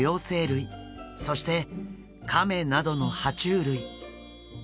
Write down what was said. そしてカメなどのは虫類。